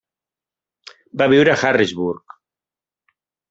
Va viure a Harrisburg.